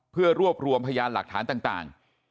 เพื่อรวบรวมพยานหลักฐานต่าง